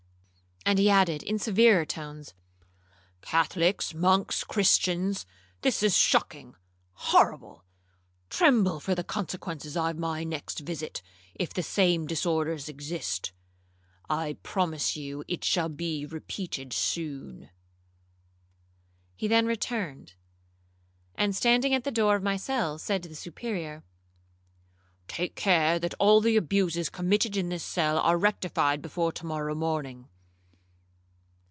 And he added in severer tones, 'Catholics, monks, Christians, this is shocking,—horrible! tremble for the consequences of my next visit, if the same disorders exist,—I promise you it shall be repeated soon.' He then returned, and standing at the door of my cell, said to the Superior, 'Take care that all the abuses committed in this cell are rectified before to morrow morning.'